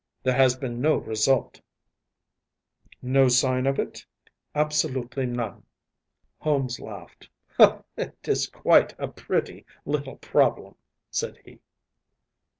There has been no result.‚ÄĚ “No sign of it?‚ÄĚ “Absolutely none.‚ÄĚ Holmes laughed. “It is quite a pretty little problem,‚ÄĚ said he.